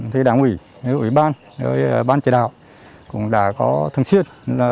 thì đảng ủy ủy ban ban trị đạo cũng đã có thường xuyên